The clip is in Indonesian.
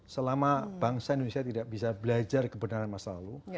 selama bangsa indonesia tidak bisa belajar kebenaran masa lalu